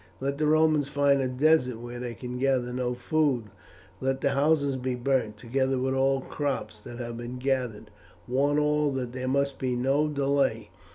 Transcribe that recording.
Let the Romans find a desert where they can gather no food; let the houses be burnt, together with all crops that have been gathered. Warn all that there must be no delay.